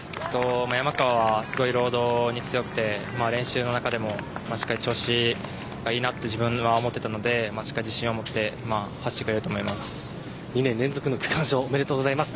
山川はすごいロードに強くて練習の中でもしっかり調子がいいなと自分は思っていたのでしっかり自信を持って２年連続区間賞おめでとうございます。